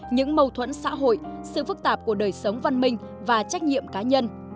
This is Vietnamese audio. những mâu thuẫn xã hội sự phức tạp của đời sống văn minh và trách nhiệm cá nhân